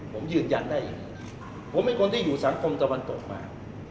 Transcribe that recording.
ผมยืนยันได้อย่างนี้ผมเป็นคนที่อยู่สังคมตะวันตกมา